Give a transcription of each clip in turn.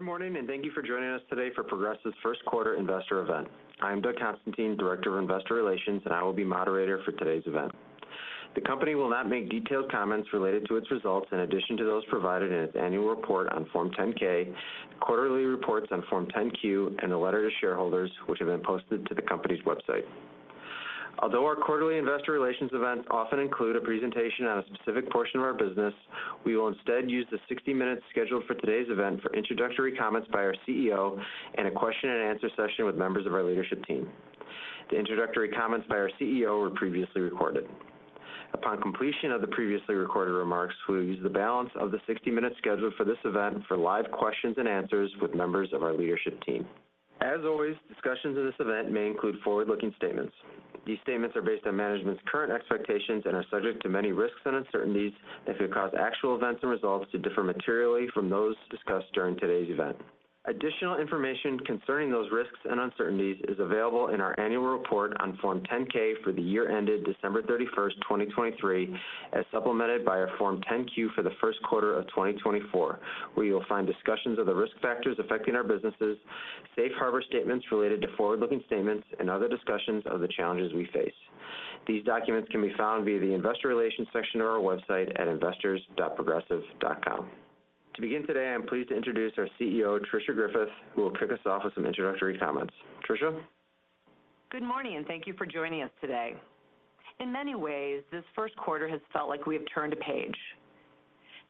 Good morning, and thank you for joining us today for Progressive's first-quarter investor event. I am Doug Constantine, Director of Investor Relations, and I will be moderator for today's event. The company will not make detailed comments related to its results in addition to those provided in its annual report on Form 10-K, quarterly reports on Form 10-Q, and a letter to shareholders, which have been posted to the company's website. Although our quarterly investor relations events often include a presentation on a specific portion of our business, we will instead use the 60 minutes scheduled for today's event for introductory comments by our CEO and a question-and-answer session with members of our leadership team. The introductory comments by our CEO were previously recorded. Upon completion of the previously recorded remarks, we will use the balance of the 60 minutes scheduled for this event for live questions and answers with members of our leadership team. As always, discussions in this event may include forward-looking statements. These statements are based on management's current expectations and are subject to many risks and uncertainties that could cause actual events and results to differ materially from those discussed during today's event. Additional information concerning those risks and uncertainties is available in our annual report on Form 10-K for the year ended December 31st, 2023, as supplemented by our Form 10-Q for the first quarter of 2024, where you will find discussions of the risk factors affecting our businesses, safe harbor statements related to forward-looking statements, and other discussions of the challenges we face. These documents can be found via the investor relations section of our website at investors.progressive.com. To begin today, I am pleased to introduce our CEO, Tricia Griffith, who will kick us off with some introductory comments. Tricia? Good morning, and thank you for joining us today. In many ways, this first quarter has felt like we have turned a page.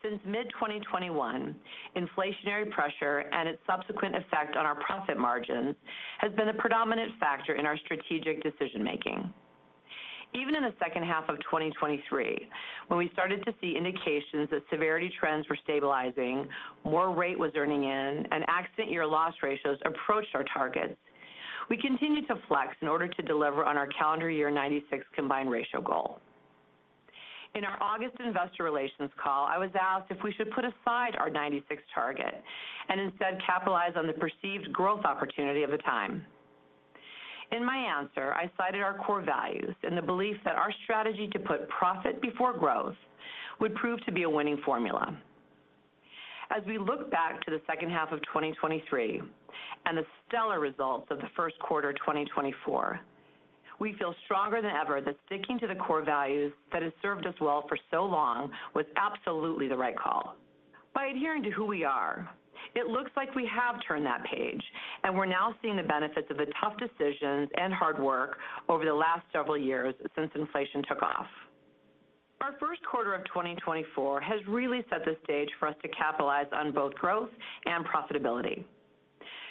Since mid-2021, inflationary pressure and its subsequent effect on our profit margins has been a predominant factor in our strategic decision-making. Even in the second half of 2023, when we started to see indications that severity trends were stabilizing, more rate was earning in, and accident year loss ratios approached our targets, we continued to flex in order to deliver on our calendar year 96 combined ratio goal. In our August investor relations call, I was asked if we should put aside our 96 target and instead capitalize on the perceived growth opportunity of the time. In my answer, I cited our core values and the belief that our strategy to put profit before growth would prove to be a winning formula. As we look back to the second half of 2023 and the stellar results of the first quarter 2024, we feel stronger than ever that sticking to the core values that have served us well for so long was absolutely the right call. By adhering to who we are, it looks like we have turned that page, and we're now seeing the benefits of the tough decisions and hard work over the last several years since inflation took off. Our first quarter of 2024 has really set the stage for us to capitalize on both growth and profitability.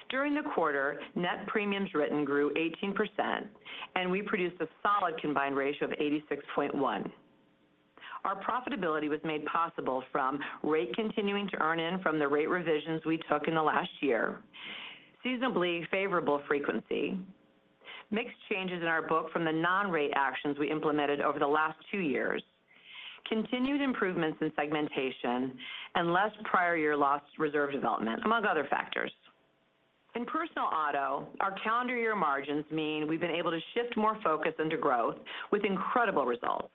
During the quarter, net premiums written grew 18%, and we produced a solid combined ratio of 86.1%. Our profitability was made possible from rate continuing to earn in from the rate revisions we took in the last year, seasonally favorable frequency, mix changes in our book from the non-rate actions we implemented over the last two years, continued improvements in segmentation, and less prior year loss reserve development, among other factors. In personal auto, our calendar year margins mean we've been able to shift more focus into growth with incredible results.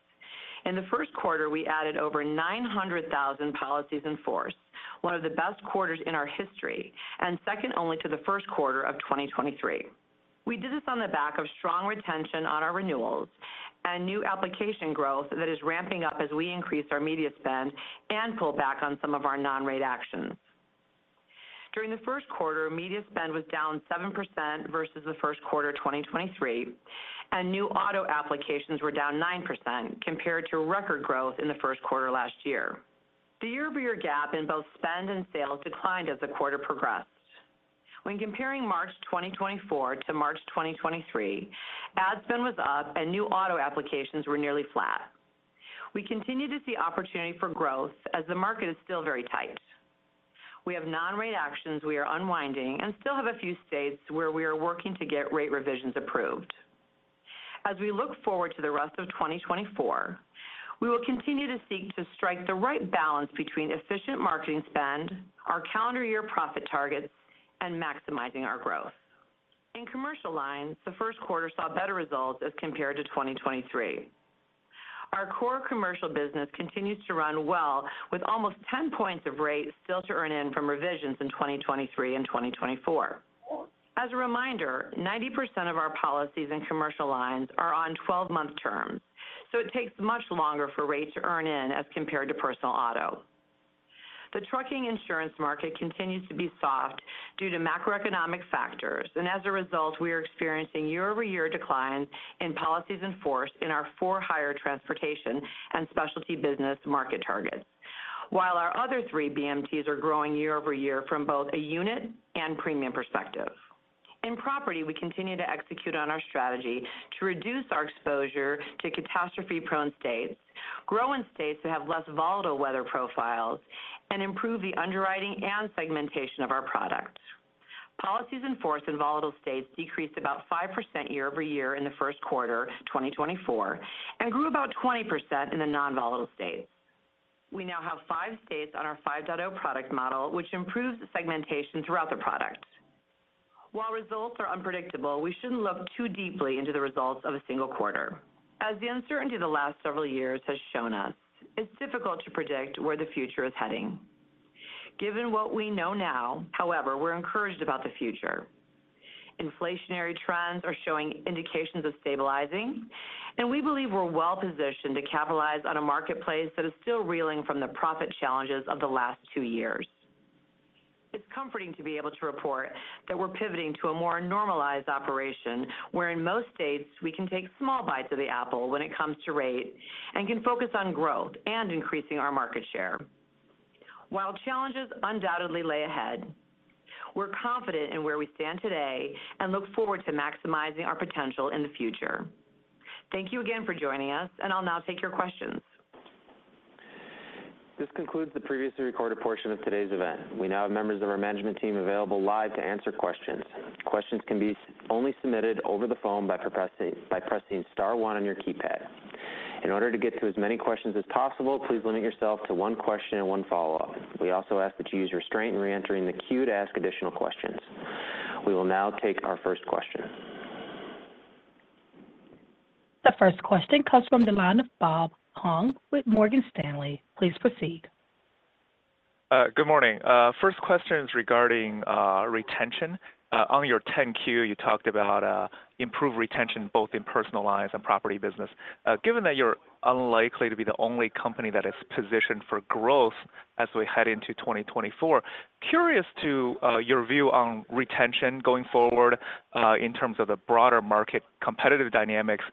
In the first quarter, we added over 900,000 policies in force, one of the best quarters in our history and second only to the first quarter of 2023. We did this on the back of strong retention on our renewals and new application growth that is ramping up as we increase our media spend and pull back on some of our non-rate actions. During the first quarter, media spend was down 7% versus the first quarter 2023, and new auto applications were down 9% compared to record growth in the first quarter last year. The year-over-year gap in both spend and sales declined as the quarter progressed. When comparing March 2024 to March 2023, ad spend was up, and new auto applications were nearly flat. We continue to see opportunity for growth as the market is still very tight. We have non-rate actions we are unwinding and still have a few states where we are working to get rate revisions approved. As we look forward to the rest of 2024, we will continue to seek to strike the right balance between efficient marketing spend, our calendar year profit targets, and maximizing our growth. In commercial lines, the first quarter saw better results as compared to 2023. Our core commercial business continues to run well with almost 10 points of rate still to earn in from revisions in 2023 and 2024. As a reminder, 90% of our policies in commercial lines are on 12-month terms, so it takes much longer for rate to earn in as compared to personal auto. The trucking insurance market continues to be soft due to macroeconomic factors, and as a result, we are experiencing year-over-year declines in policies in force in our For-Hire Transportation and specialty business market targets, while our other three BMTs are growing year-over-year from both a unit and premium perspective. In property, we continue to execute on our strategy to reduce our exposure to catastrophe-prone states, grow in states that have less volatile weather profiles, and improve the underwriting and segmentation of our products. Policies enforced in volatile states decreased about 5% year-over-year in the first quarter 2024 and grew about 20% in the non-volatile states. We now have five states on our 5.0 product model, which improves segmentation throughout the product. While results are unpredictable, we shouldn't look too deeply into the results of a single quarter. As the uncertainty of the last several years has shown us, it's difficult to predict where the future is heading. Given what we know now, however, we're encouraged about the future. Inflationary trends are showing indications of stabilizing, and we believe we're well-positioned to capitalize on a marketplace that is still reeling from the profit challenges of the last two years. It's comforting to be able to report that we're pivoting to a more normalized operation where in most states we can take small bites of the apple when it comes to rate and can focus on growth and increasing our market share. While challenges undoubtedly lay ahead, we're confident in where we stand today and look forward to maximizing our potential in the future. Thank you again for joining us, and I'll now take your questions. This concludes the previously recorded portion of today's event. We now have members of our management team available live to answer questions. Questions can be only submitted over the phone by pressing star one on your keypad. In order to get to as many questions as possible, please limit yourself to one question and one follow-up. We also ask that you use restraint in reentering the queue to ask additional questions. We will now take our first question. The first question comes from the line of Bob Huang with Morgan Stanley. Please proceed. Good morning. First question is regarding retention. On your 10-Q, you talked about improved retention both in personal lines and property business. Given that you're unlikely to be the only company that is positioned for growth as we head into 2024, curious to your view on retention going forward in terms of the broader market competitive dynamics.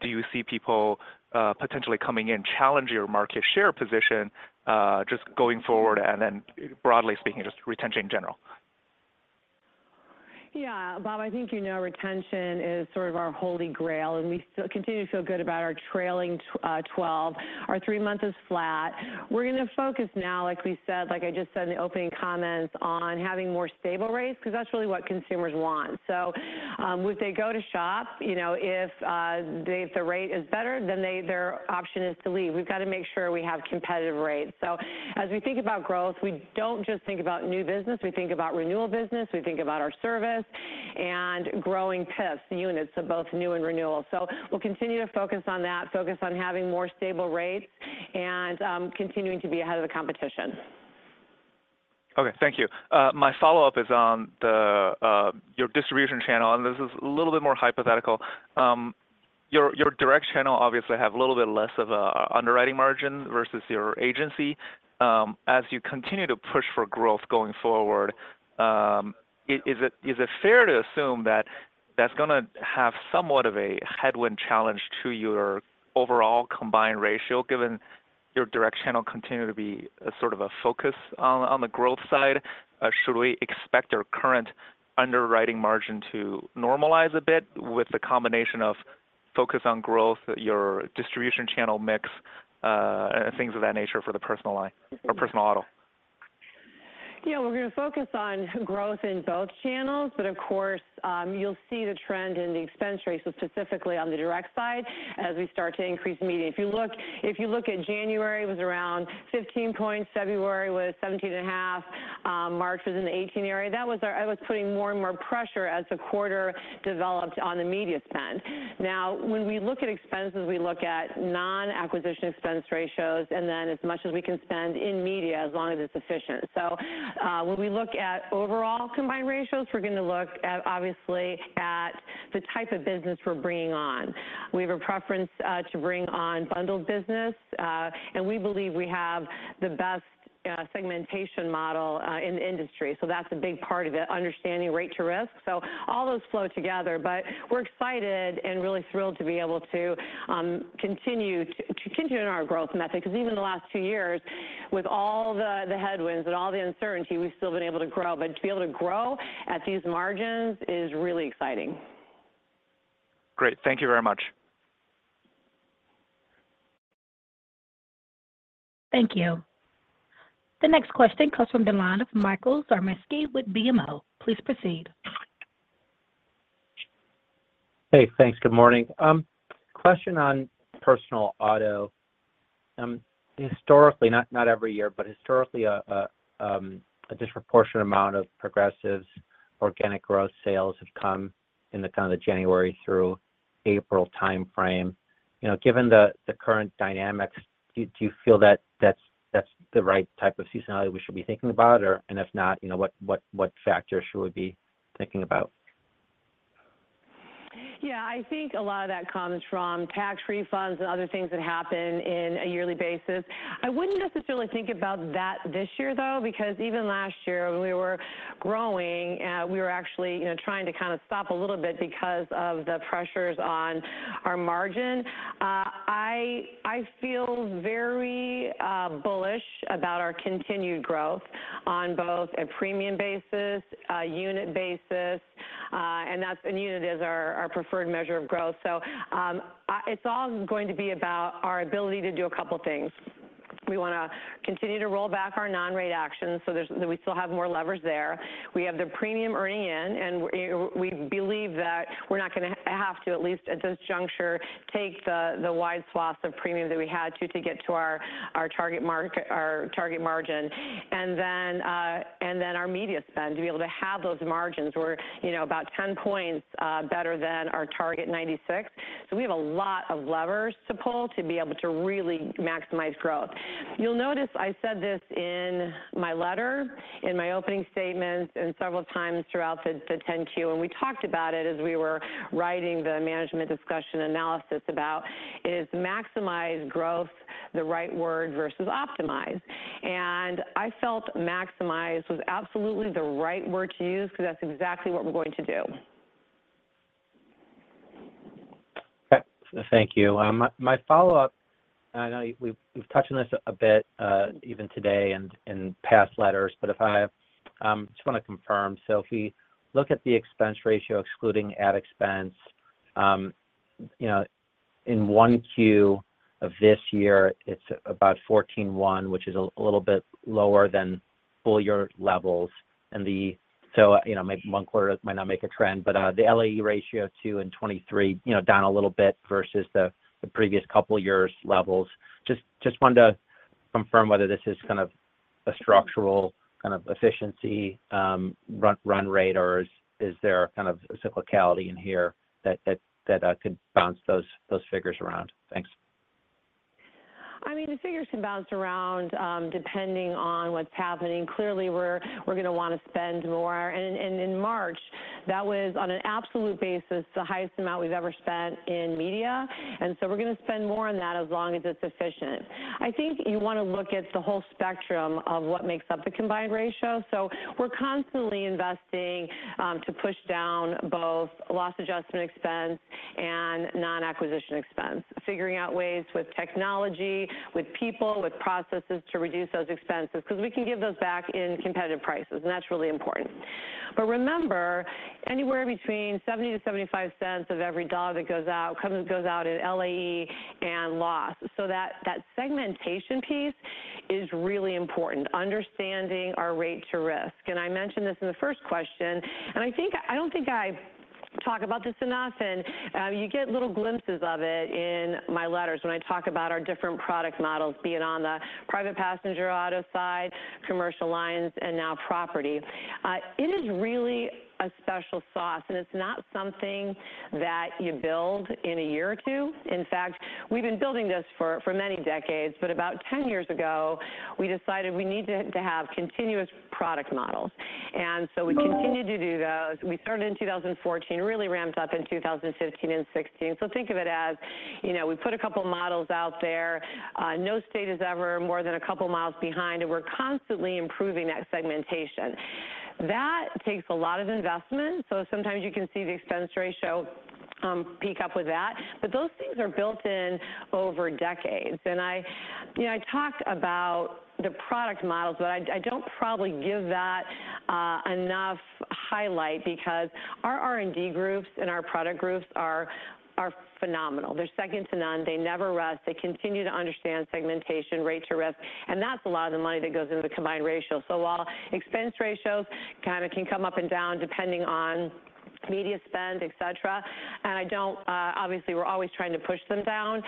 Do you see people potentially coming in, challenge your market share position just going forward, and then broadly speaking, just retention in general? Yeah, Bob, I think retention is sort of our holy grail, and we continue to feel good about our trailing 12. Our three-month is flat. We're going to focus now, like we said, like I just said in the opening comments, on having more stable rates because that's really what consumers want. So would they go to shop? If the rate is better, then their option is to leave. We've got to make sure we have competitive rates. So as we think about growth, we don't just think about new business. We think about renewal business. We think about our service and growing PIFs, units of both new and renewal. So we'll continue to focus on that, focus on having more stable rates, and continuing to be ahead of the competition. Okay, thank you. My follow-up is on your distribution channel, and this is a little bit more hypothetical. Your direct channel obviously has a little bit less of an underwriting margin versus your agency. As you continue to push for growth going forward, is it fair to assume that that's going to have somewhat of a headwind challenge to your overall combined ratio given your direct channel continuing to be sort of a focus on the growth side? Should we expect your current underwriting margin to normalize a bit with the combination of focus on growth, your distribution channel mix, and things of that nature for the personal line or personal auto? Yeah, we're going to focus on growth in both channels, but of course, you'll see the trend in the expense ratios specifically on the direct side as we start to increase media. If you look at January, it was around 15 points. February was 17.5. March was in the 18 area. That was putting more and more pressure as the quarter developed on the media spend. Now, when we look at expenses, we look at non-acquisition expense ratios and then as much as we can spend in media as long as it's efficient. So when we look at overall combined ratios, we're going to look obviously at the type of business we're bringing on. We have a preference to bring on bundled business, and we believe we have the best segmentation model in the industry. So that's a big part of it, understanding rate to risk. So all those flow together, but we're excited and really thrilled to be able to continue our growth method because even the last two years, with all the headwinds and all the uncertainty, we've still been able to grow. But to be able to grow at these margins is really exciting. Great. Thank you very much. Thank you. The next question comes from the line of Michael Zaremski with BMO. Please proceed. Hey, thanks. Good morning. Question on personal auto. Historically, not every year, but historically, a disproportionate amount of Progressive's organic growth sales have come in the kind of January through April time frame. Given the current dynamics, do you feel that that's the right type of seasonality we should be thinking about, and if not, what factors should we be thinking about? Yeah, I think a lot of that comes from tax refunds and other things that happen on a yearly basis. I wouldn't necessarily think about that this year, though, because even last year, when we were growing, we were actually trying to kind of stop a little bit because of the pressures on our margin. I feel very bullish about our continued growth on both a premium basis, unit basis, and unit is our preferred measure of growth. So it's all going to be about our ability to do a couple of things. We want to continue to roll back our non-rate actions so that we still have more levers there. We have the premium earning in, and we believe that we're not going to have to, at least at this juncture, take the wide swaths of premium that we had to get to our target margin and then our media spend to be able to have those margins. We're about 10 points better than our target 96. So we have a lot of levers to pull to be able to really maximize growth. You'll notice I said this in my letter, in my opening statements, and several times throughout the 10-Q, and we talked about it as we were writing the management discussion analysis about is maximize growth the right word versus optimize. And I felt maximize was absolutely the right word to use because that's exactly what we're going to do. Okay, thank you. My follow-up, I know we've touched on this a bit even today and past letters, but I just want to confirm. So if we look at the expense ratio excluding added expense, in 1Q of this year, it's about 14.1, which is a little bit lower than full year levels. And so maybe one quarter might not make a trend, but the LAE ratio too in 2023 down a little bit versus the previous couple of years levels. Just wanted to confirm whether this is kind of a structural kind of efficiency run rate or is there kind of a cyclicality in here that could bounce those figures around. Thanks. I mean, the figures can bounce around depending on what's happening. Clearly, we're going to want to spend more. In March, that was on an absolute basis the highest amount we've ever spent in media. So we're going to spend more on that as long as it's efficient. I think you want to look at the whole spectrum of what makes up the combined ratio. We're constantly investing to push down both loss adjustment expense and non-acquisition expense, figuring out ways with technology, with people, with processes to reduce those expenses because we can give those back in competitive prices, and that's really important. But remember, anywhere between $0.70-$0.75 of every dollar that goes out comes out in LAE and loss. So that segmentation piece is really important, understanding our rate to risk. And I mentioned this in the first question, and I don't think I talk about this enough, and you get little glimpses of it in my letters when I talk about our different product models, be it on the private passenger auto side, commercial lines, and now property. It is really a special sauce, and it's not something that you build in a year or two. In fact, we've been building this for many decades, but about 10 years ago, we decided we need to have continuous product models. And so we continued to do those. We started in 2014, really ramped up in 2015 and 2016. So think of it as we put a couple of models out there. No state is ever more than a couple of miles behind, and we're constantly improving that segmentation. That takes a lot of investment. So sometimes you can see the expense ratio peak up with that, but those things are built in over decades. And I talked about the product models, but I don't probably give that enough highlight because our R&D groups and our product groups are phenomenal. They're second to none. They never rest. They continue to understand segmentation, rate to risk. And that's a lot of the money that goes into the combined ratio. So while expense ratios kind of can come up and down depending on media spend, etc., and obviously, we're always trying to push them down,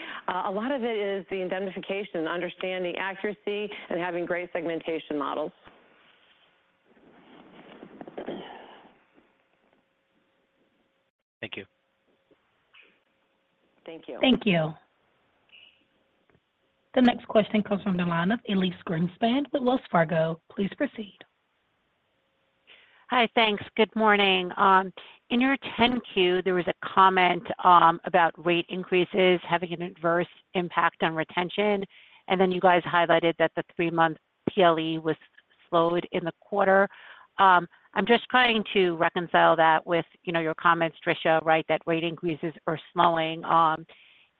a lot of it is the indemnification, understanding accuracy, and having great segmentation models. Thank you. Thank you. Thank you. The next question comes from the line of Elyse Greenspan with Wells Fargo. Please proceed. Hi, thanks. Good morning. In your 10-Q, there was a comment about rate increases having an adverse impact on retention, and then you guys highlighted that the three-month PLE was slowed in the quarter. I'm just trying to reconcile that with your comments, Tricia, right, that rate increases are slowing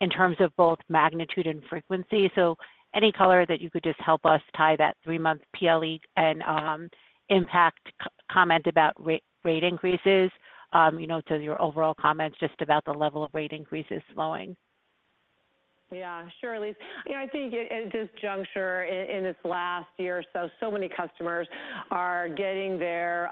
in terms of both magnitude and frequency. So any color that you could just help us tie that three-month PLE and impact comment about rate increases to your overall comments just about the level of rate increases slowing. Yeah, sure, Elise. I think at this juncture in this last year or so, so many customers are getting their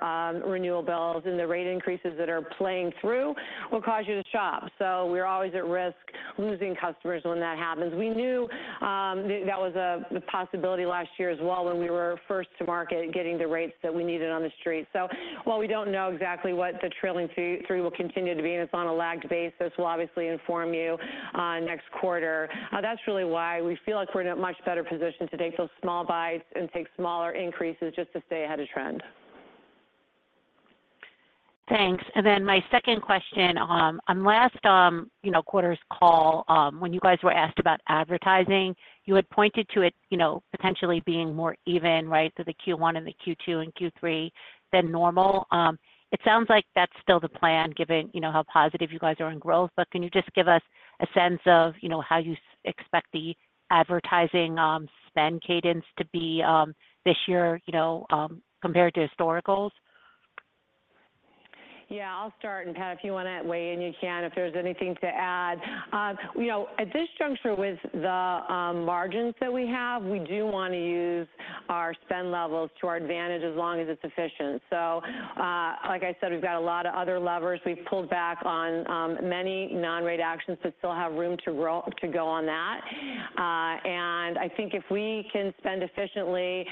renewal bills, and the rate increases that are playing through will cause you to shop. So we're always at risk losing customers when that happens. We knew that was a possibility last year as well when we were first to market getting the rates that we needed on the street. So while we don't know exactly what the trailing three will continue to be, and it's on a lagged basis, we'll obviously inform you next quarter. That's really why we feel like we're in a much better position to take those small bites and take smaller increases just to stay ahead of trend. Thanks. And then my second question, on last quarter's call, when you guys were asked about advertising, you had pointed to it potentially being more even, right, for the Q1 and the Q2 and Q3 than normal. It sounds like that's still the plan given how positive you guys are in growth, but can you just give us a sense of how you expect the advertising spend cadence to be this year compared to historicals? Yeah, I'll start, and Pat, if you want to weigh in, you can, if there's anything to add. At this juncture with the margins that we have, we do want to use our spend levels to our advantage as long as it's efficient. So like I said, we've got a lot of other levers. We've pulled back on many non-rate actions but still have room to go on that. And I think if we can spend efficiently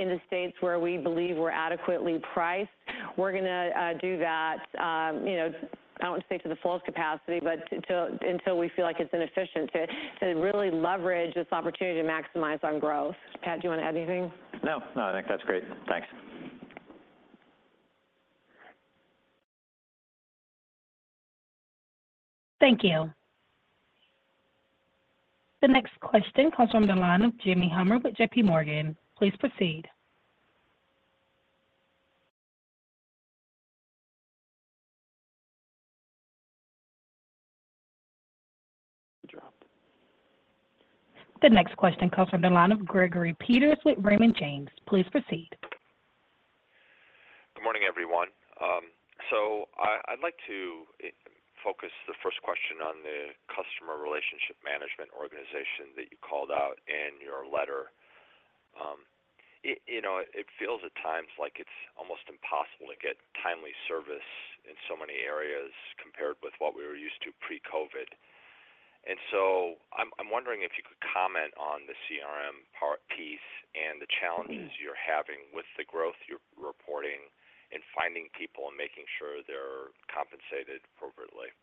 in the states where we believe we're adequately priced, we're going to do that. I don't want to say to the fullest capacity, but until we feel like it's inefficient to really leverage this opportunity to maximize on growth. Pat, do you want to add anything? No, no, I think that's great. Thanks. Thank you. The next question comes from the line of Jimmy Bhullar with J.P. Morgan. Please proceed. Dropped. The next question comes from the line of Gregory Peters with Raymond James. Please proceed. Good morning, everyone. So I'd like to focus the first question on the customer relationship management organization that you called out in your letter. It feels at times like it's almost impossible to get timely service in so many areas compared with what we were used to pre-COVID. And so I'm wondering if you could comment on the CRM piece and the challenges you're having with the growth you're reporting and finding people and making sure they're compensated appropriately?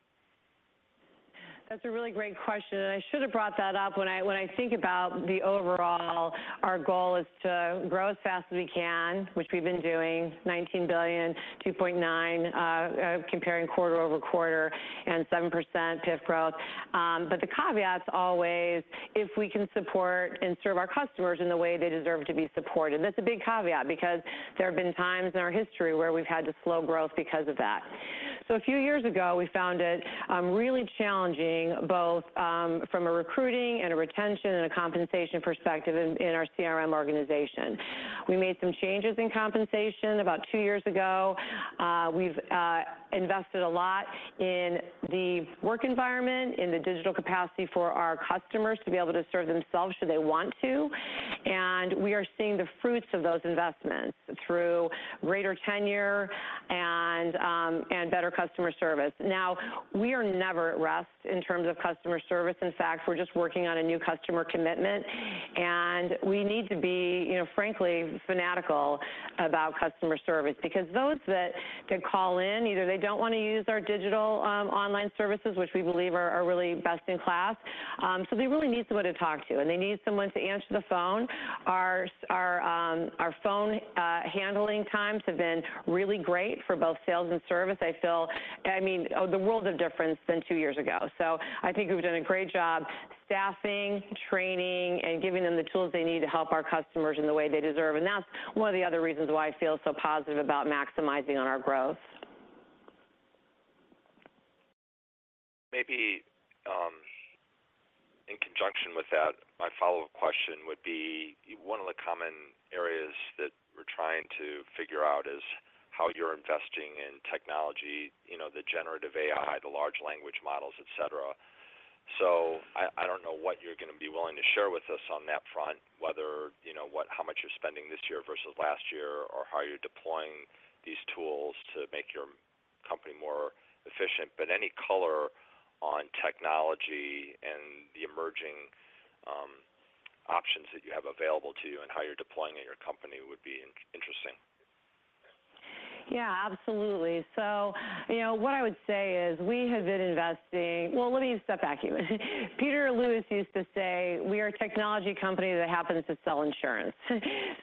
That's a really great question, and I should have brought that up. When I think about the overall, our goal is to grow as fast as we can, which we've been doing, $19 billion, 2.9% quarter-over-quarter and 7% PIF growth. But the caveat's always if we can support and serve our customers in the way they deserve to be supported. That's a big caveat because there have been times in our history where we've had to slow growth because of that. So a few years ago, we found it really challenging both from a recruiting and a retention and a compensation perspective in our CRM organization. We made some changes in compensation about two years ago. We've invested a lot in the work environment, in the digital capacity for our customers to be able to serve themselves should they want to. We are seeing the fruits of those investments through greater tenure and better customer service. Now, we are never at rest in terms of customer service. In fact, we're just working on a new customer commitment. We need to be, frankly, fanatical about customer service because those that call in, either they don't want to use our digital online services, which we believe are really best in class, so they really need someone to talk to, and they need someone to answer the phone. Our phone handling times have been really great for both sales and service. I mean, the world of difference than two years ago. I think we've done a great job staffing, training, and giving them the tools they need to help our customers in the way they deserve. That's one of the other reasons why I feel so positive about maximizing on our growth. Maybe in conjunction with that, my follow-up question would be one of the common areas that we're trying to figure out is how you're investing in technology, the generative AI, the large language models, etc. So I don't know what you're going to be willing to share with us on that front, whether how much you're spending this year versus last year or how you're deploying these tools to make your company more efficient. But any color on technology and the emerging options that you have available to you and how you're deploying it in your company would be interesting. Yeah, absolutely. What I would say is we have been investing well, let me step back here. Peter Lewis used to say, "We are a technology company that happens to sell insurance."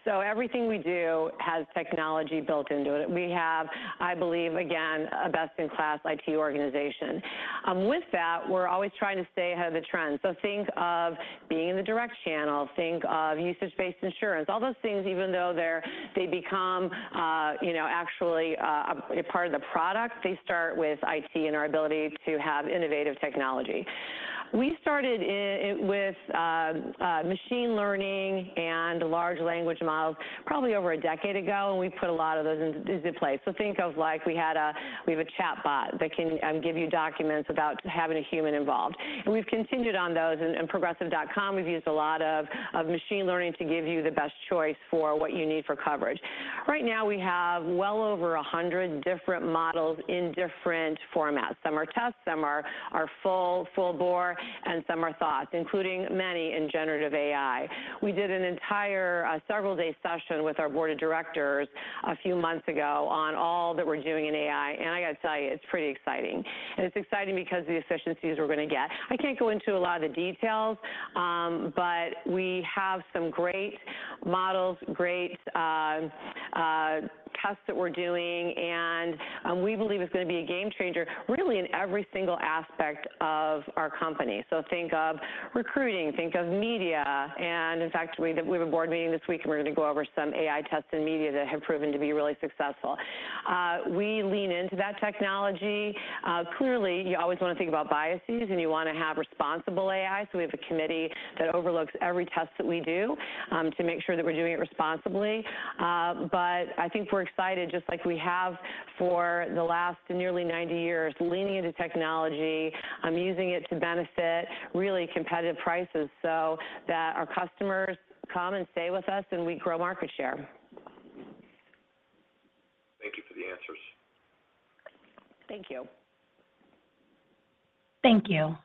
Everything we do has technology built into it. We have, I believe, again, a best-in-class IT organization. With that, we're always trying to stay ahead of the trend. Think of being in the direct channel. Think of usage-based insurance. All those things, even though they become actually a part of the product, they start with IT and our ability to have innovative technology. We started with machine learning and large language models probably over a decade ago, and we put a lot of those into place. Think of like we have a chatbot that can give you documents without having a human involved. We've continued on those. Progressive.com, we've used a lot of machine learning to give you the best choice for what you need for coverage. Right now, we have well over 100 different models in different formats. Some are tests, some are full bore, and some are thoughts, including many in generative AI. We did an entire several-day session with our board of directors a few months ago on all that we're doing in AI. And I got to tell you, it's pretty exciting. And it's exciting because of the efficiencies we're going to get. I can't go into a lot of the details, but we have some great models, great tests that we're doing, and we believe it's going to be a game changer, really, in every single aspect of our company. So think of recruiting. Think of media. In fact, we have a board meeting this week, and we're going to go over some AI tests in media that have proven to be really successful. We lean into that technology. Clearly, you always want to think about biases, and you want to have responsible AI. So we have a committee that overlooks every test that we do to make sure that we're doing it responsibly. But I think we're excited, just like we have for the last nearly 90 years, leaning into technology, using it to benefit really competitive prices so that our customers come and stay with us, and we grow market share. Thank you for the answers. Thank you. Thank you.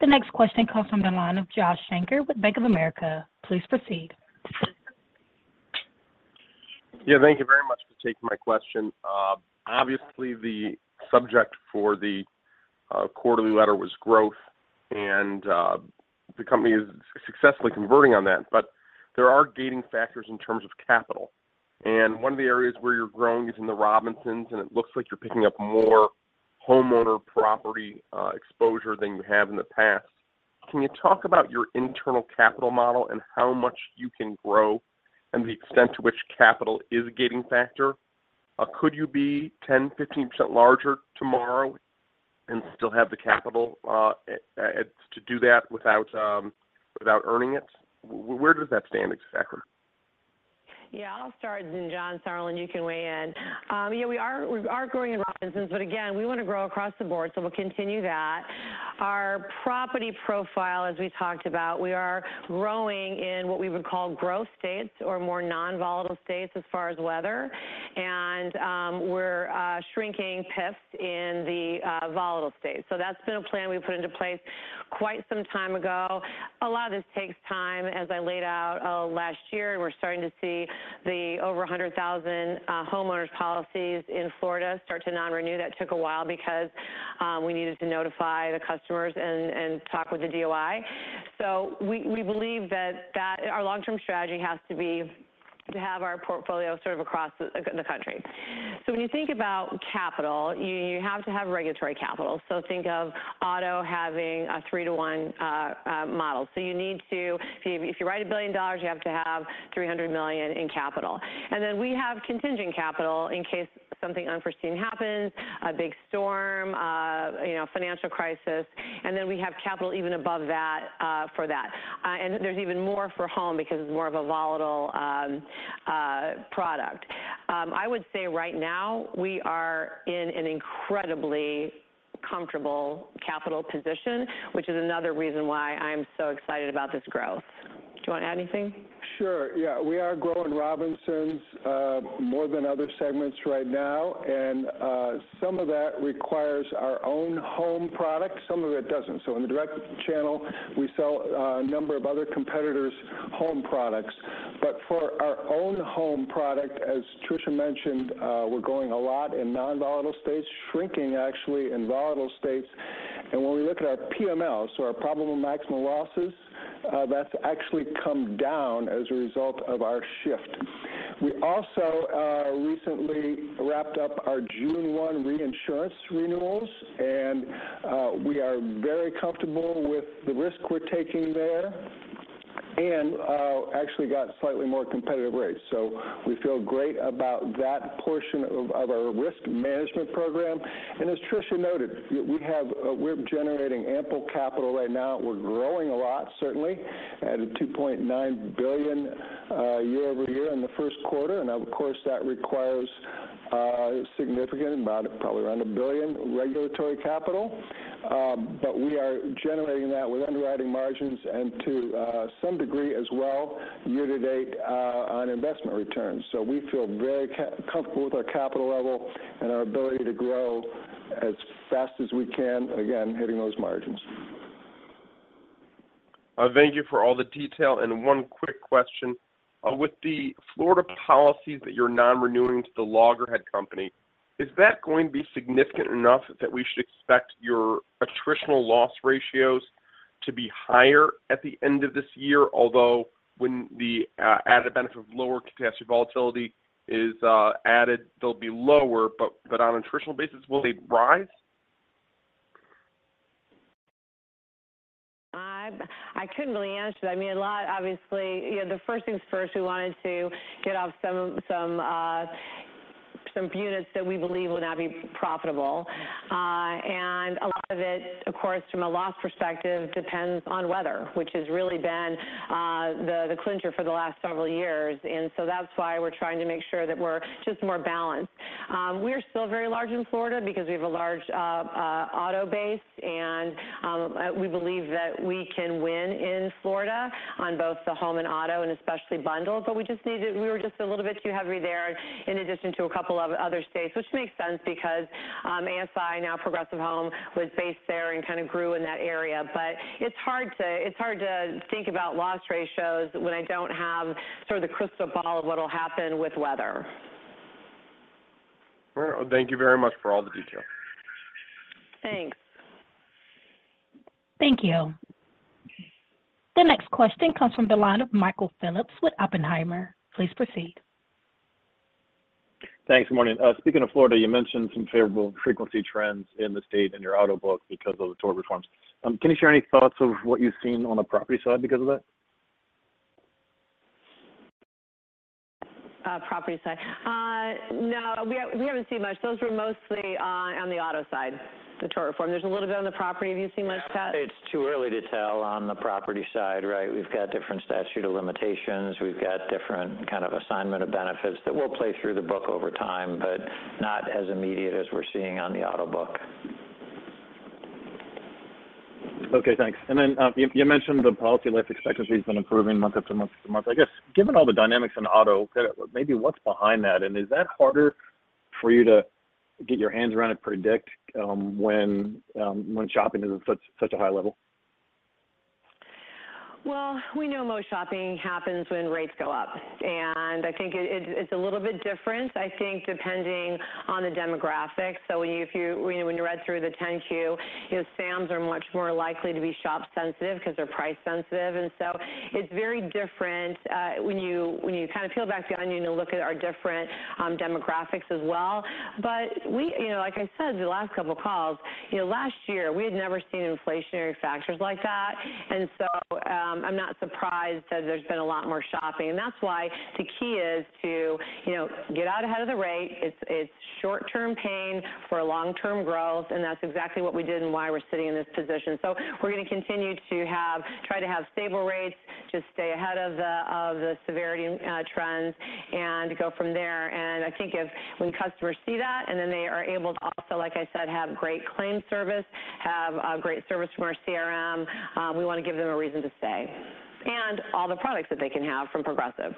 The next question comes from the line of Josh Shanker with Bank of America. Please proceed. Yeah, thank you very much for taking my question. Obviously, the subject for the quarterly letter was growth, and the company is successfully converting on that. But there are gating factors in terms of capital. And one of the areas where you're growing is in the Robinsons, and it looks like you're picking up more homeowner property exposure than you have in the past. Can you talk about your internal capital model and how much you can grow and the extent to which capital is a gating factor? Could you be 10%-15% larger tomorrow and still have the capital to do that without earning it? Where does that stand exactly? Yeah, I'll start, and John Sauerland, you can weigh in. Yeah, we are growing in Robinsons, but again, we want to grow across the board, so we'll continue that. Our property profile, as we talked about, we are growing in what we would call growth states or more non-volatile states as far as weather. And we're shrinking PIFs in the volatile states. So that's been a plan we put into place quite some time ago. A lot of this takes time. As I laid out last year, we're starting to see the over 100,000 homeowners' policies in Florida start to non-renew. That took a while because we needed to notify the customers and talk with the DOI. So we believe that our long-term strategy has to be to have our portfolio sort of across the country. So when you think about capital, you have to have regulatory capital. Think of auto having a 3:1 model. You need to, if you write $1 billion, have $300 million in capital. We have contingent capital in case something unforeseen happens, a big storm, a financial crisis. We have capital even above that for that. There's even more for home because it's more of a volatile product. I would say right now, we are in an incredibly comfortable capital position, which is another reason why I'm so excited about this growth. Do you want to add anything? Sure. Yeah, we are growing Robinsons more than other segments right now. And some of that requires our own home product. Some of it doesn't. So in the direct channel, we sell a number of other competitors' home products. But for our own home product, as Tricia mentioned, we're going a lot in non-volatile states, shrinking actually in volatile states. And when we look at our PML, so our probable maximum losses, that's actually come down as a result of our shift. We also recently wrapped up our June 1 reinsurance renewals, and we are very comfortable with the risk we're taking there and actually got slightly more competitive rates. So we feel great about that portion of our risk management program. And as Tricia noted, we're generating ample capital right now. We're growing a lot, certainly, at a $2.9 billion year-over-year in the first quarter. Of course, that requires significant, probably around $1 billion, regulatory capital. But we are generating that with underwriting margins and to some degree as well year to date on investment returns. So we feel very comfortable with our capital level and our ability to grow as fast as we can, again, hitting those margins. Thank you for all the detail. One quick question. With the Florida policies that you're non-renewing to the Loggerhead company, is that going to be significant enough that we should expect your attritional loss ratios to be higher at the end of this year? Although when the added benefit of lower capacity volatility is added, they'll be lower. On a traditional basis, will they rise? I couldn't really answer that. I mean, obviously, the first things first, we wanted to get off some units that we believe would not be profitable. A lot of it, of course, from a loss perspective, depends on weather, which has really been the clincher for the last several years. That's why we're trying to make sure that we're just more balanced. We are still very large in Florida because we have a large auto base, and we believe that we can win in Florida on both the home and auto and especially bundled. But we were just a little bit too heavy there in addition to a couple of other states, which makes sense because ASI, now Progressive Home, was based there and kind of grew in that area. But it's hard to think about loss ratios when I don't have sort of the crystal ball of what will happen with weather. All right. Well, thank you very much for all the detail. Thanks. Thank you. The next question comes from the line of Michael Phillips with Oppenheimer. Please proceed. Thanks. Good morning. Speaking of Florida, you mentioned some favorable frequency trends in the state in your auto book because of the tort reforms. Can you share any thoughts of what you've seen on the property side because of that? Property side? No, we haven't seen much. Those were mostly on the auto side, the tort reform. There's a little bit on the property. Have you seen much, Pat? It's too early to tell on the property side, right? We've got different statute of limitations. We've got different kind of assignment of benefits that will play through the book over time, but not as immediate as we're seeing on the auto book. Okay, thanks. And then you mentioned the policy life expectancy has been improving month after month after month. I guess, given all the dynamics in auto, maybe what's behind that? And is that harder for you to get your hands around and predict when shopping is at such a high level? Well, we know most shopping happens when rates go up. And I think it's a little bit different. I think depending on the demographics. So when you read through the 10-Q, SAMs are much more likely to be shop-sensitive because they're price-sensitive. And so it's very different when you kind of peel back the onion to look at our different demographics as well. But like I said the last couple of calls, last year, we had never seen inflationary factors like that. And so I'm not surprised that there's been a lot more shopping. And that's why the key is to get out ahead of the rate. It's short-term pain for long-term growth. And that's exactly what we did and why we're sitting in this position. So we're going to continue to try to have stable rates, just stay ahead of the severity trends, and go from there. I think when customers see that and then they are able to also, like I said, have great claim service, have great service from our CRM, we want to give them a reason to stay and all the products that they can have from Progressive.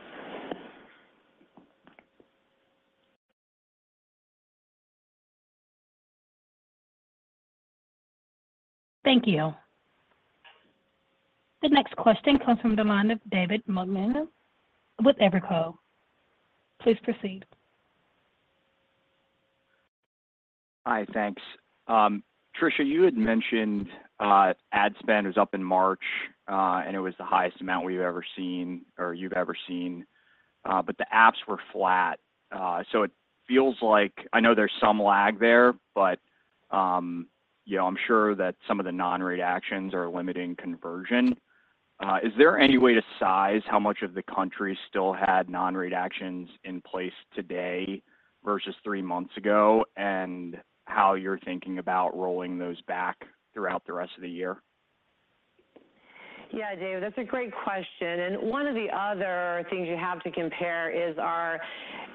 Thank you. The next question comes from the line of David Motemaden with Evercore. Please proceed. Hi, thanks. Tricia, you had mentioned ad spend was up in March, and it was the highest amount we've ever seen or you've ever seen. But the apps were flat. So it feels like I know there's some lag there, but I'm sure that some of the non-rate actions are limiting conversion. Is there any way to size how much of the country still had non-rate actions in place today versus three months ago and how you're thinking about rolling those back throughout the rest of the year? Yeah, David, that's a great question. And one of the other things you have to compare is our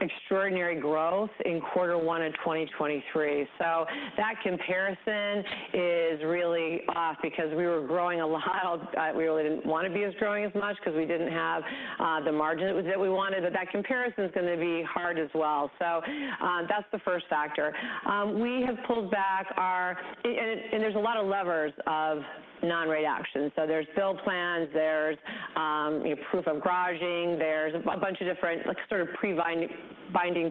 extraordinary growth in quarter one of 2023. So that comparison is really off because we were growing a lot. We really didn't want to be as growing as much because we didn't have the margin that we wanted. But that comparison is going to be hard as well. So that's the first factor. We have pulled back our and there's a lot of levers of non-rate action. So there's bill plans. There's proof of garaging. There's a bunch of different sort of pre-binding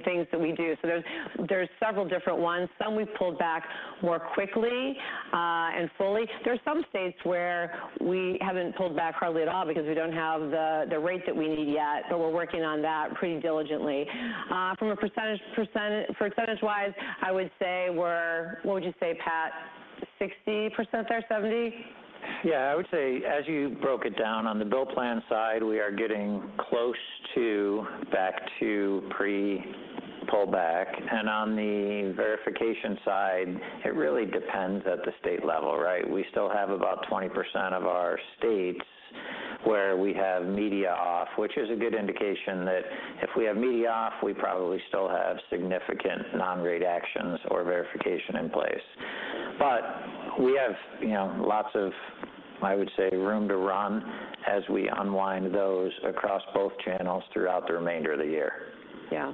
things that we do. So there's several different ones. Some we've pulled back more quickly and fully. There are some states where we haven't pulled back hardly at all because we don't have the rate that we need yet, but we're working on that pretty diligently. From a percentage-wise, I would say we're what would you say, Pat? 60% there, 70%? Yeah, I would say as you broke it down, on the bill plan side, we are getting close back to pre-pullback. And on the verification side, it really depends at the state level, right? We still have about 20% of our states where we have media off, which is a good indication that if we have media off, we probably still have significant non-rate actions or verification in place. But we have lots of, I would say, room to run as we unwind those across both channels throughout the remainder of the year. Yeah.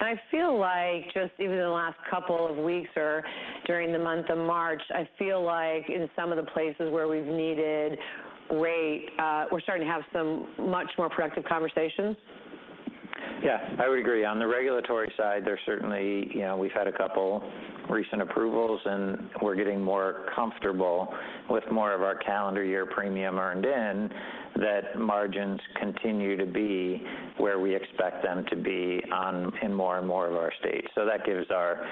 I feel like just even in the last couple of weeks or during the month of March, I feel like in some of the places where we've needed rate, we're starting to have some much more productive conversations. Yeah, I would agree. On the regulatory side, there's certainly, we've had a couple recent approvals, and we're getting more comfortable with more of our calendar year premium earned in that margins continue to be where we expect them to be in more and more of our states. So that gives our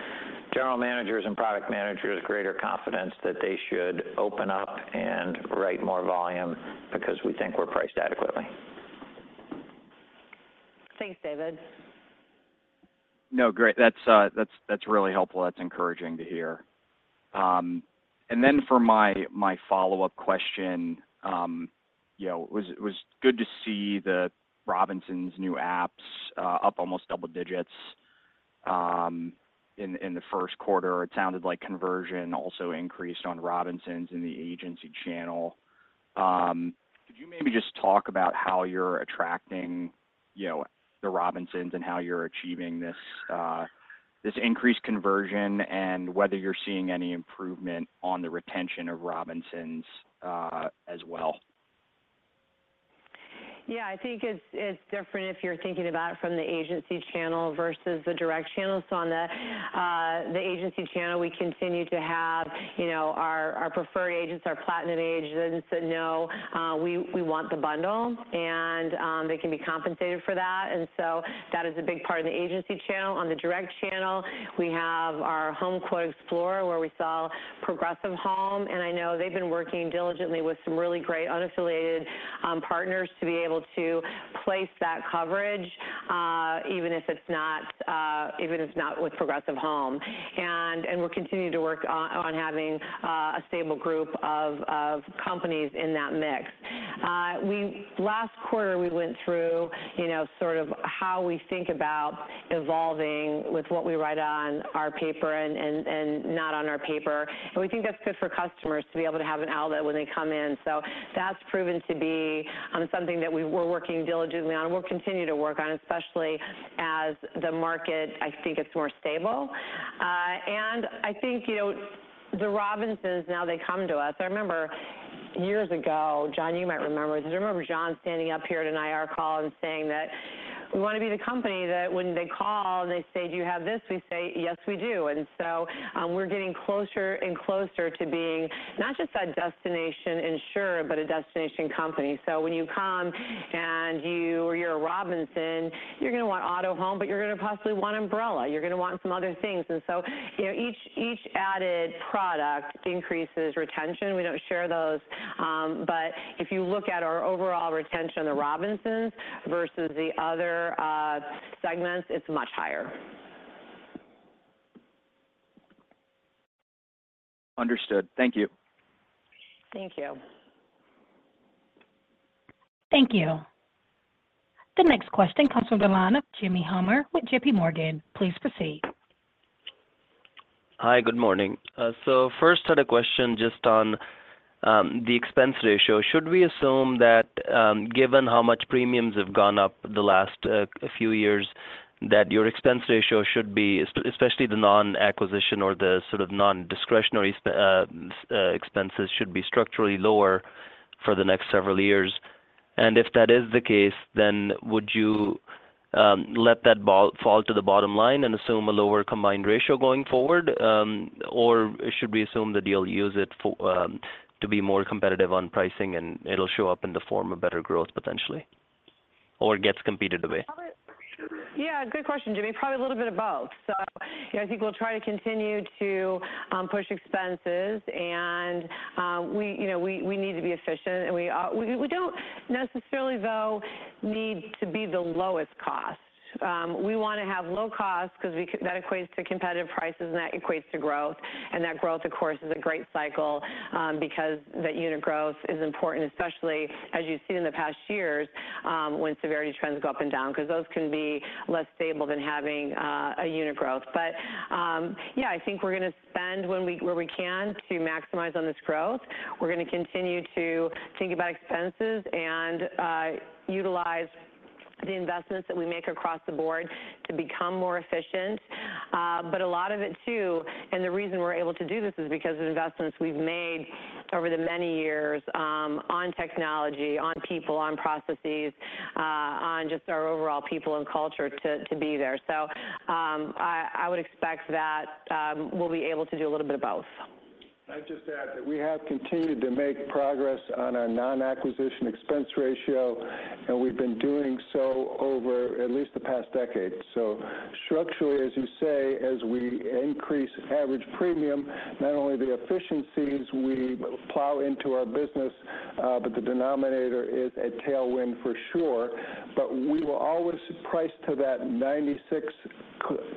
general managers and product managers greater confidence that they should open up and write more volume because we think we're priced adequately. Thanks, David. No, great. That's really helpful. That's encouraging to hear. And then for my follow-up question, it was good to see the Robinsons new apps up almost double digits in the first quarter. It sounded like conversion also increased on Robinsons in the agency channel. Could you maybe just talk about how you're attracting the Robinsons and how you're achieving this increased conversion and whether you're seeing any improvement on the retention of Robinsons as well? Yeah, I think it's different if you're thinking about it from the agency channel versus the direct channel. So on the agency channel, we continue to have our preferred agents, our platinum agents that know we want the bundle, and they can be compensated for that. And so that is a big part of the agency channel. On the direct channel, we have our Home Quote Explorer where we saw Progressive Home. And I know they've been working diligently with some really great unaffiliated partners to be able to place that coverage even if it's not even if it's not with Progressive Home. And we're continuing to work on having a stable group of companies in that mix. Last quarter, we went through sort of how we think about evolving with what we write on our paper and not on our paper. We think that's good for customers to be able to have an outlet when they come in. So that's proven to be something that we're working diligently on and we'll continue to work on, especially as the market, I think, it's more stable. And I think the Robinsons now, they come to us. I remember years ago, John, you might remember. Do you remember John standing up here at an IR call and saying that we want to be the company that when they call and they say, "Do you have this?" we say, "Yes, we do."? And so we're getting closer and closer to being not just a destination insurer, but a destination company. So when you come and you're a Robinson, you're going to want auto home, but you're going to possibly want umbrella. You're going to want some other things. Each added product increases retention. We don't share those. If you look at our overall retention on the Robinsons versus the other segments, it's much higher. Understood. Thank you. Thank you. Thank you. The next question comes from the line of Jimmy Bhullar with J.P. Morgan. Please proceed. Hi, good morning. So first, I had a question just on the expense ratio. Should we assume that given how much premiums have gone up the last few years, that your expense ratio should be, especially the non-acquisition or the sort of non-discretionary expenses, should be structurally lower for the next several years? And if that is the case, then would you let that fall to the bottom line and assume a lower combined ratio going forward? Or should we assume that you'll use it to be more competitive on pricing, and it'll show up in the form of better growth potentially or gets competed away? Yeah, good question, Jimmy. Probably a little bit of both. So I think we'll try to continue to push expenses. And we need to be efficient. And we don't necessarily, though, need to be the lowest cost. We want to have low cost because that equates to competitive prices, and that equates to growth. And that growth, of course, is a great cycle because that unit growth is important, especially as you've seen in the past years when severity trends go up and down because those can be less stable than having a unit growth. But yeah, I think we're going to spend where we can to maximize on this growth. We're going to continue to think about expenses and utilize the investments that we make across the board to become more efficient. But a lot of it, too, and the reason we're able to do this is because of investments we've made over the many years on technology, on people, on processes, on just our overall people and culture to be there. So I would expect that we'll be able to do a little bit of both. I'd just add that we have continued to make progress on our non-acquisition expense ratio, and we've been doing so over at least the past decade. So structurally, as you say, as we increase average premium, not only the efficiencies we plow into our business, but the denominator is a tailwind for sure. But we will always price to that 96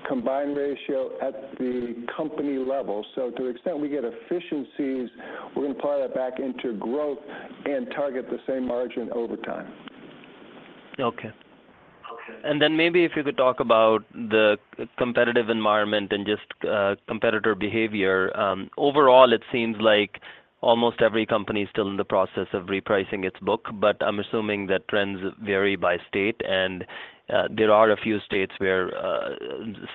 combined ratio at the company level. So to the extent we get efficiencies, we're going to plow that back into growth and target the same margin over time. Okay. Maybe if you could talk about the competitive environment and just competitor behavior. Overall, it seems like almost every company is still in the process of repricing its book. But I'm assuming that trends vary by state. And there are a few states where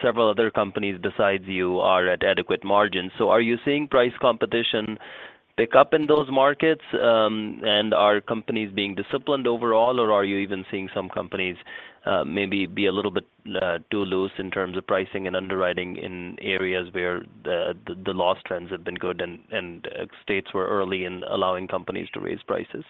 several other companies besides you are at adequate margins. So are you seeing price competition pick up in those markets? And are companies being disciplined overall? Or are you even seeing some companies maybe be a little bit too loose in terms of pricing and underwriting in areas where the loss trends have been good and states were early in allowing companies to raise prices?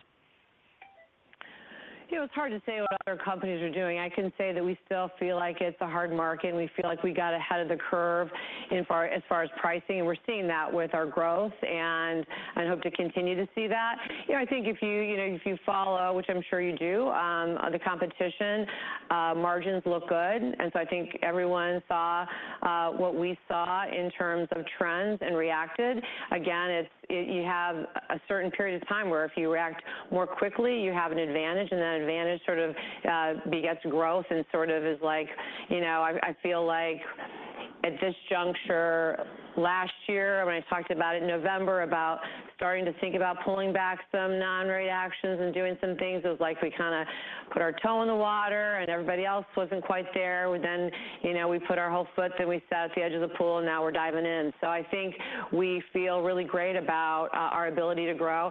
Yeah, it was hard to say what other companies are doing. I can say that we still feel like it's a hard market. And we feel like we got ahead of the curve as far as pricing. And we're seeing that with our growth. And I hope to continue to see that. I think if you follow, which I'm sure you do, the competition, margins look good. And so I think everyone saw what we saw in terms of trends and reacted. Again, you have a certain period of time where if you react more quickly, you have an advantage. That advantage sort of begets growth and sort of is like I feel like at this juncture last year, when I talked about it in November, about starting to think about pulling back some Non-rate actions and doing some things, it was like we kind of put our toe in the water, and everybody else wasn't quite there. Then we put our whole foot, then we sat at the edge of the pool, and now we're diving in. So I think we feel really great about our ability to grow.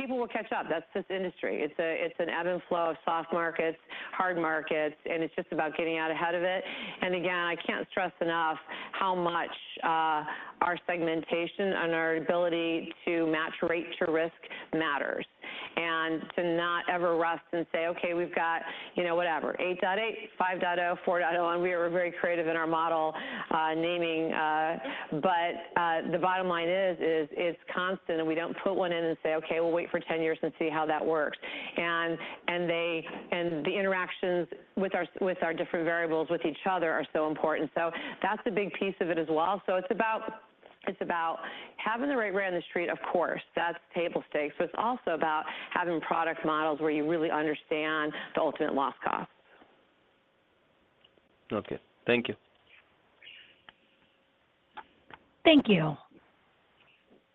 People will catch up. That's this industry. It's an ebb and flow of soft markets, hard markets. And it's just about getting out ahead of it. Again, I can't stress enough how much our segmentation and our ability to match rate to risk matters and to not ever rest and say, "Okay, we've got whatever, 8.8, 5.0, 4.0." We were very creative in our model naming. The bottom line is it's constant. We don't put one in and say, "Okay, we'll wait for 10 years and see how that works." The interactions with our different variables with each other are so important. That's a big piece of it as well. It's about having the right rate on the street, of course. That's table stakes. It's also about having product models where you really understand the ultimate loss costs. Okay. Thank you. Thank you.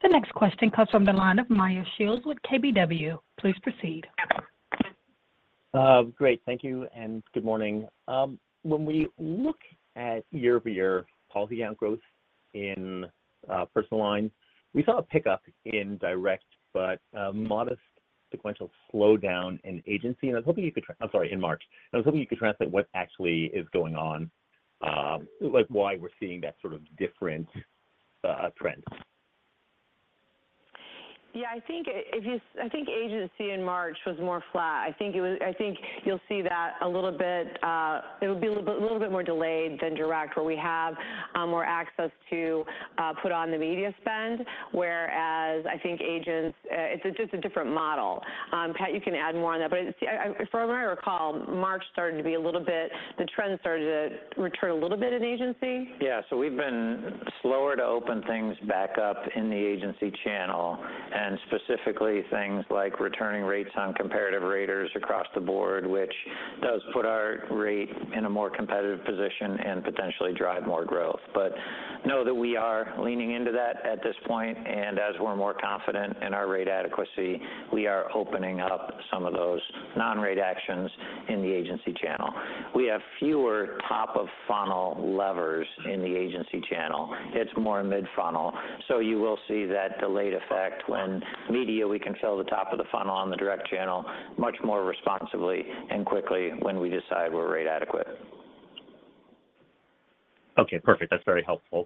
The next question comes from the line of Meyer Shields with KBW. Please proceed. Great. Thank you and good morning. When we look at year-over-year policy account growth in personal lines, we saw a pickup in direct but modest sequential slowdown in agency in March. And I was hoping you could translate what actually is going on, why we're seeing that sort of different trend. Yeah, I think agency in March was more flat. I think you'll see that a little bit. It would be a little bit more delayed than direct where we have more access to put on the media spend, whereas I think agents it's just a different model. Pat, you can add more on that. But from what I recall, March started to be a little bit the trend started to return a little bit in agency. Yeah, so we've been slower to open things back up in the agency channel and specifically things like returning rates on comparative raters across the board, which does put our rate in a more competitive position and potentially drive more growth. But know that we are leaning into that at this point. And as we're more confident in our rate adequacy, we are opening up some of those non-rate actions in the agency channel. We have fewer top-of-funnel levers in the agency channel. It's more mid-funnel. So you will see that delayed effect when media, we can fill the top of the funnel on the direct channel much more responsibly and quickly when we decide we're rate adequate. Okay, perfect. That's very helpful.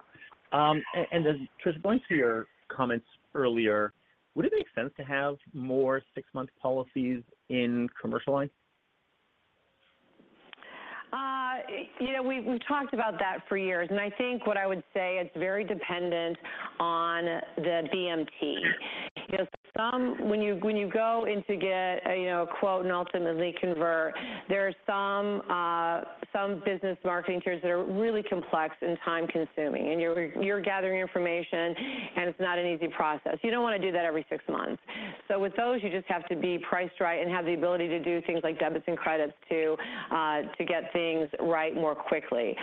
And then Tricia, going to your comments earlier, would it make sense to have more six-month policies in commercial lines? We've talked about that for years. And I think what I would say, it's very dependent on the BMT. When you go in to get a quote and ultimately convert, there are some business marketing tiers that are really complex and time-consuming. And you're gathering information, and it's not an easy process. You don't want to do that every six months. So with those, you just have to be priced right and have the ability to do things like debits and credits to get things right more quickly.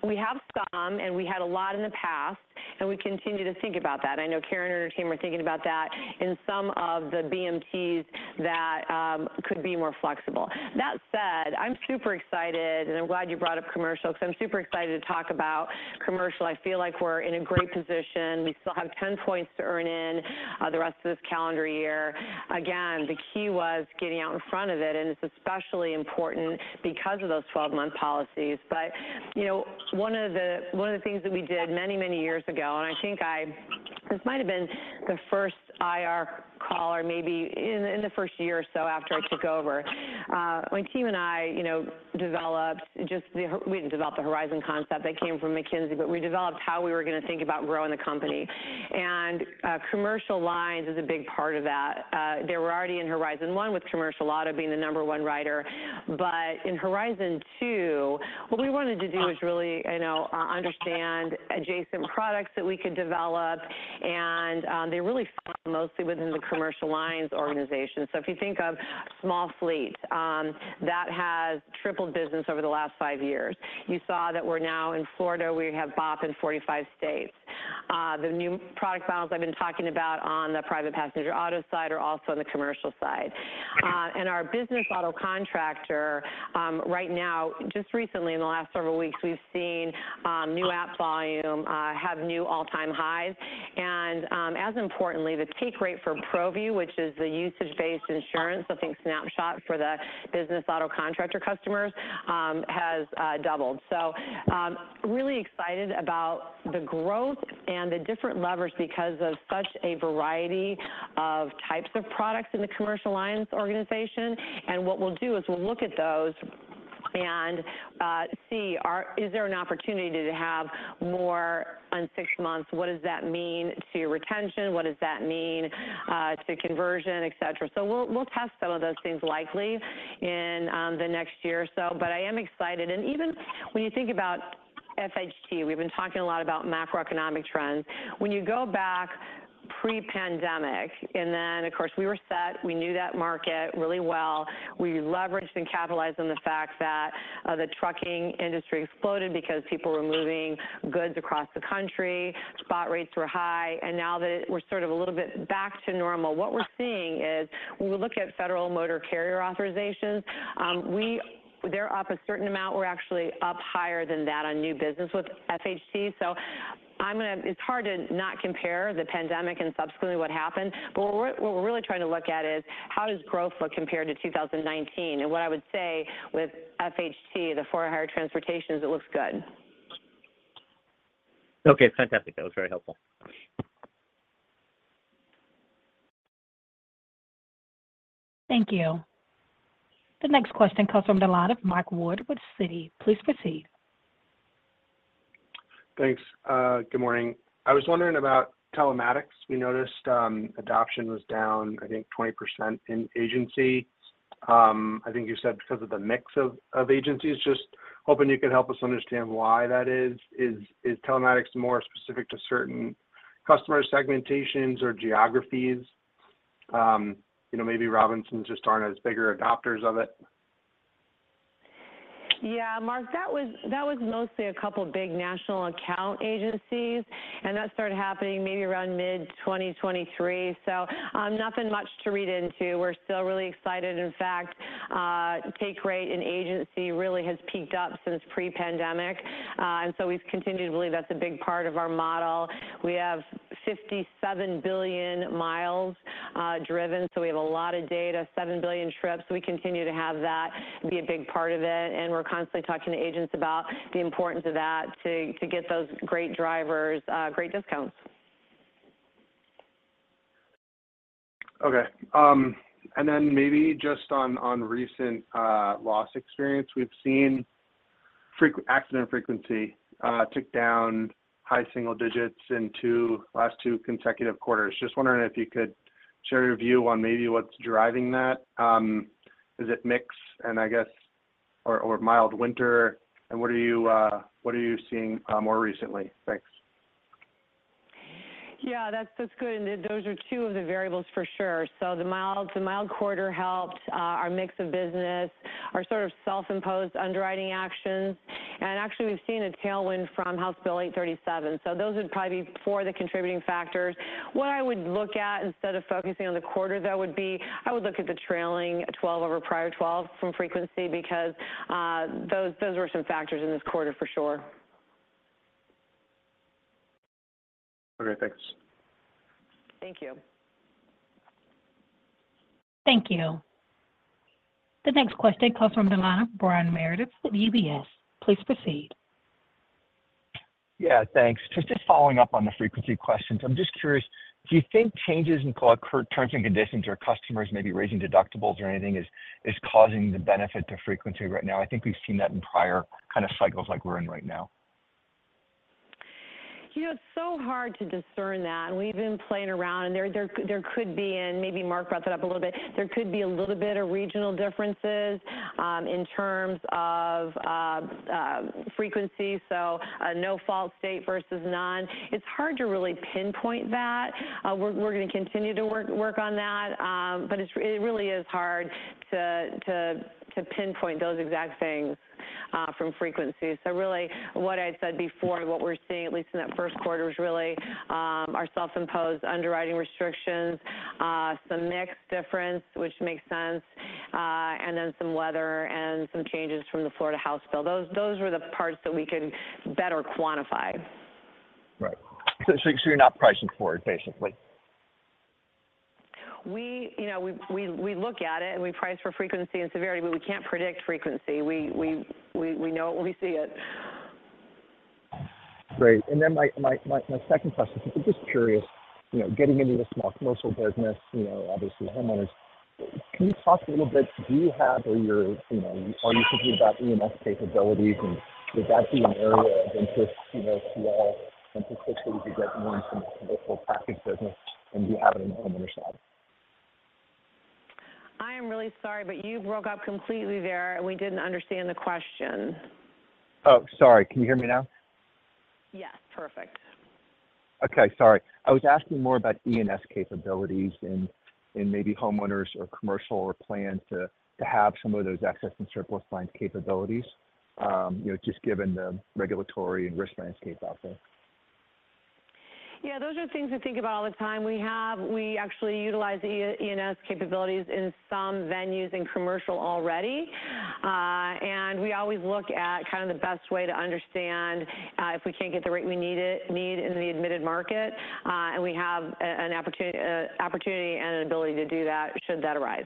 We have some, and we had a lot in the past. And we continue to think about that. And I know Karen and her team are thinking about that in some of the BMTs that could be more flexible. That said, I'm super excited. And I'm glad you brought up commercial because I'm super excited to talk about commercial. I feel like we're in a great position. We still have 10 points to earn in the rest of this calendar year. Again, the key was getting out in front of it. It's especially important because of those 12-month policies. But one of the things that we did many, many years ago and I think this might have been the first IR call or maybe in the first year or so after I took over, my team and I developed just we didn't develop the Horizon concept. That came from McKinsey. But we developed how we were going to think about growing the company. Commercial lines is a big part of that. They were already in Horizon One with Commercial Auto being the number one rider. In Horizon Two, what we wanted to do was really understand adjacent products that we could develop. They really fall mostly within the commercial lines organization. So if you think of small fleet, that has tripled business over the last 5 years. You saw that we're now in Florida. We have BOP in 45 states. The new product models I've been talking about on the private passenger auto side are also on the commercial side. And our Business Auto Contractor right now, just recently in the last several weeks, we've seen new app volume have new all-time highs. And as importantly, the take rate for ProView, which is the usage-based insurance, like Snapshot for the Business Auto Contractor customers, has doubled. So really excited about the growth and the different levers because of such a variety of types of products in the commercial lines organization. And what we'll do is we'll look at those and see, is there an opportunity to have more on six months? What does that mean to retention? What does that mean to conversion, etc.? So we'll test some of those things likely in the next year or so. But I am excited. And even when you think about FHT, we've been talking a lot about macroeconomic trends. When you go back pre-pandemic and then, of course, we were set. We knew that market really well. We leveraged and capitalized on the fact that the trucking industry exploded because people were moving goods across the country. Spot rates were high. And now that we're sort of a little bit back to normal, what we're seeing is when we look at federal motor carrier authorizations, they're up a certain amount. We're actually up higher than that on new business with FHT. So it's hard to not compare the pandemic and subsequently what happened. What we're really trying to look at is how does growth look compared to 2019? What I would say with FHT, the For-Hire Transportation, it looks good. Okay, fantastic. That was very helpful. Thank you. The next question comes from the line of Michael Ward with Citi. Please proceed. Thanks. Good morning. I was wondering about telematics. We noticed adoption was down, I think, 20% in agency. I think you said because of the mix of agencies. Just hoping you could help us understand why that is. Is telematics more specific to certain customer segmentations or geographies? Maybe Robinsons just aren't as bigger adopters of it. Yeah, Mark, that was mostly a couple of big national account agencies. And that started happening maybe around mid-2023. So nothing much to read into. We're still really excited. In fact, take rate in agency really has peaked up since pre-pandemic. And so we've continued to believe that's a big part of our model. We have 57 billion miles driven. So we have a lot of data, 7 billion trips. So we continue to have that be a big part of it. And we're constantly talking to agents about the importance of that to get those great drivers great discounts. Okay. And then maybe just on recent loss experience, we've seen accident frequency tick down high single digits in the last two consecutive quarters. Just wondering if you could share your view on maybe what's driving that. Is it mixed or mild winter? And what are you seeing more recently? Thanks. Yeah, that's good. And those are two of the variables for sure. So the mild quarter helped our mix of business, our sort of self-imposed underwriting actions. And actually, we've seen a tailwind from House Bill 837. So those would probably be four of the contributing factors. What I would look at instead of focusing on the quarter, though, would be I would look at the trailing 12 over prior 12 from frequency because those were some factors in this quarter for sure. Okay, thanks. Thank you. Thank you. The next question comes from Brian Meredith with UBS. Please proceed. Yeah, thanks. Just following up on the frequency questions. I'm just curious, do you think changes in terms and conditions or customers maybe raising deductibles or anything is causing the benefit to frequency right now? I think we've seen that in prior kind of cycles like we're in right now. It's so hard to discern that. We've been playing around. And there could be, in maybe Mark brought that up a little bit. There could be a little bit of regional differences in terms of frequency. So no-fault state versus none. It's hard to really pinpoint that. We're going to continue to work on that. But it really is hard to pinpoint those exact things from frequency. So really, what I said before, what we're seeing, at least in that first quarter, was really our self-imposed underwriting restrictions, some mixed difference, which makes sense, and then some weather and some changes from the Florida House Bill. Those were the parts that we could better quantify. Right. So you're not pricing for it, basically? We look at it, and we price for frequency and severity. But we can't predict frequency. We know it when we see it. Great. My second question is just curious, getting into this small commercial business, obviously, homeowners. Can you talk a little bit? Do you have or are you thinking about E&S capabilities? And would that be an area of interest to y'all and to the systems to get more into the commercial package business? And do you have it on the homeowner side? I am really sorry, but you broke up completely there. We didn't understand the question. Oh, sorry. Can you hear me now? Yes, perfect. Okay, sorry. I was asking more about E&S capabilities in maybe homeowners or commercial or plans to have some of those excess and surplus lines capabilities, just given the regulatory and risk landscape out there? Yeah, those are things we think about all the time. We actually utilize the E&S capabilities in some venues in commercial already. We always look at kind of the best way to understand if we can't get the rate we need in the admitted market. We have an opportunity and an ability to do that should that arise.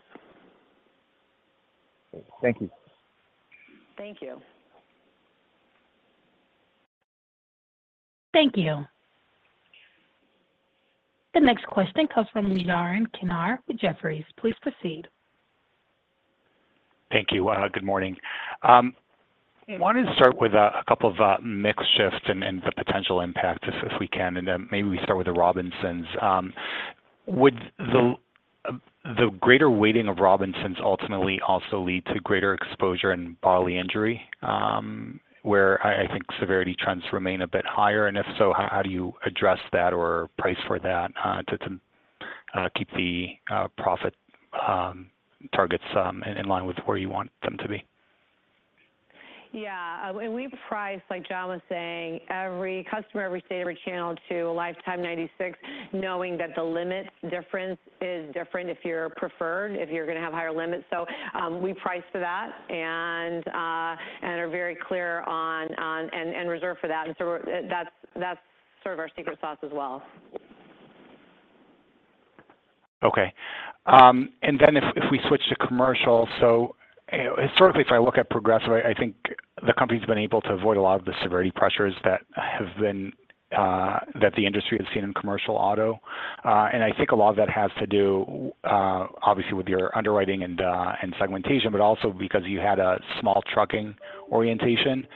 Thank you. Thank you. Thank you. The next question comes from Yaron Kinar with Jefferies. Please proceed. Thank you. Good morning. I want to start with a couple of mixed shifts and the potential impact if we can. And then maybe we start with the Robinsons. Would the greater weighting of Robinsons ultimately also lead to greater exposure and bodily injury, where I think severity trends remain a bit higher? And if so, how do you address that or price for that to keep the profit targets in line with where you want them to be? Yeah. And we price, like John was saying, every customer, every state, every channel to a lifetime 96, knowing that the limit difference is different if you're preferred, if you're going to have higher limits. So we price for that and are very clear on and reserve for that. And so that's sort of our secret sauce as well. Okay. And then if we switch to commercial, so historically, if I look at Progressive, I think the company's been able to avoid a lot of the severity pressures that the industry has seen in commercial auto. And I think a lot of that has to do, obviously, with your underwriting and segmentation, but also because you had a small trucking orientation.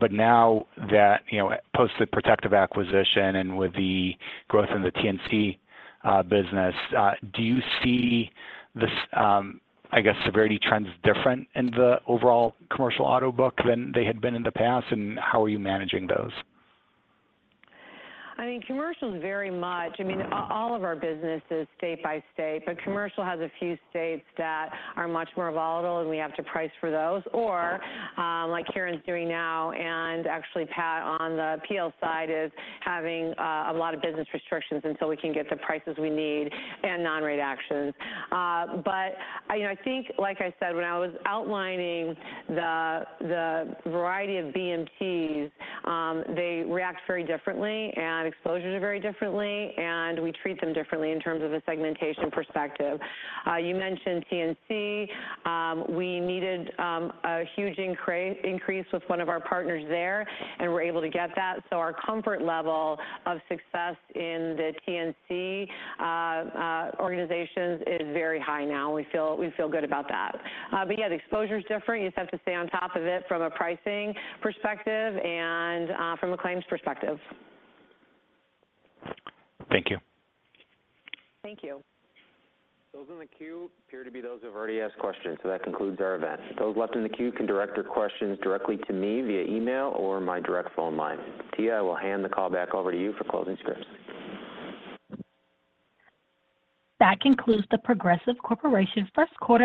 But now that post the Protective acquisition and with the growth in the TNC business, do you see, I guess, severity trends different in the overall commercial auto book than they had been in the past? And how are you managing those? I mean, commercial is very much I mean, all of our business is state by state. But commercial has a few states that are much more volatile. And we have to price for those. Or like Karen's doing now and actually Pat on the PL side is having a lot of business restrictions until we can get the prices we need and non-rate actions. But I think, like I said, when I was outlining the variety of BMTs, they react very differently. And exposures are very differently. And we treat them differently in terms of a segmentation perspective. You mentioned TNC. We needed a huge increase with one of our partners there. And we're able to get that. So our comfort level of success in the TNC organizations is very high now. And we feel good about that. But yeah, the exposure is different. You just have to stay on top of it from a pricing perspective and from a claims perspective. Thank you. Thank you. Those in the queue appear to be those who have already asked questions. So that concludes our event. Those left in the queue can direct their questions directly to me via email or my direct phone line. Tia, I will hand the call back over to you for closing scripts. That concludes The Progressive Corporation first quarter.